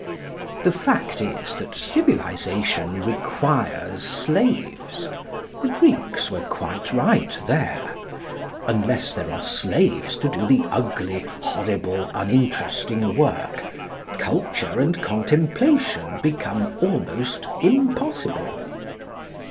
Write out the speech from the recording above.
The fact is, that civilisation requires slaves. The Greeks were quite right there. Unless there are slaves to do the ugly, horrible, uninteresting work, culture and contemplation become almost impossible.